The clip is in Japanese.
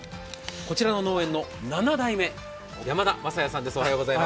こちらの農園の７代目山田雅也さんです。